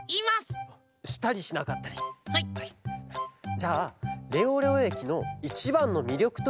じゃあレオレオえきのいちばんのみりょくといえばなんですか？